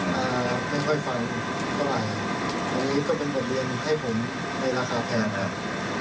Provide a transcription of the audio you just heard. มาไม่ค่อยฟังเท่าไหร่อันนี้ก็เป็นบทเรียนให้ผมในราคาแพงครับ